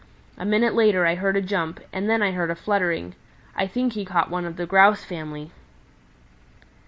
A minute later I heard a jump, and then I heard a fluttering. I think he caught one of the Grouse family."